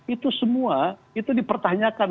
itu semua itu dipertanyakan